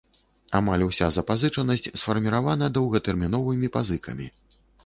Амаль уся запазычанасць сфарміравана доўгатэрміновымі пазыкамі.